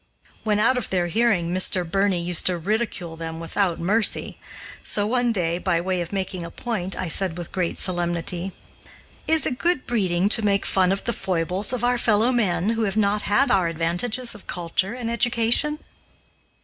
When out of their hearing, Mr. Birney used to ridicule them without mercy; so, one day, by way of making a point, I said with great solemnity, "Is it good breeding to make fun of the foibles of our fellow men, who have not had our advantages of culture and education?"